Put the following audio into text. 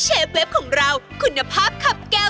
เชฟเว็บของเราคุณภาพขับแก้ว